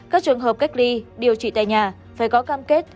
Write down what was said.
các trường hợp cách ly điều trị tại nhà phải có cam kết